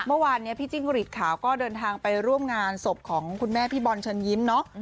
เมื่อวานนี้พี่จิ้งหลีดขาวก็เดินทางไปร่วมงานศพของคุณแม่พี่บอลเชิญยิ้มเนาะ